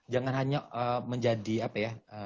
jangan hanya menjadi apa ya